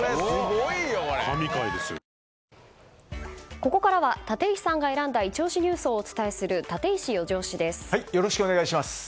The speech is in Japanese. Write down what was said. ここからは立石さんが選んだイチ推しニュースをお伝えするよろしくお願いします。